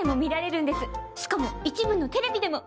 しかも一部のテレビでも。